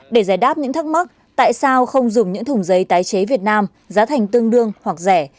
để giải đáp những thắc mắc tại sao không dùng những thùng giấy tái chế việt nam giá thành tương đương hoặc rẻ